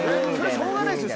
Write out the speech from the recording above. しょうがないですよ